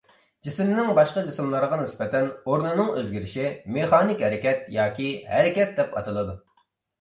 جىسىمنىڭ باشقا جىسىملارغا نىسبەتەن ئورنىنىڭ ئۆزگىرىشى مېخانىك ھەرىكەت ياكى ھەرىكەت دەپ ئاتىلىدۇ.